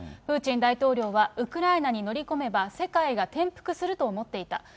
プーチン大統領はウクライナに乗り込めば、世界が転覆すると思っていた。